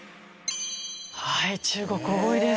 はい中国多いです。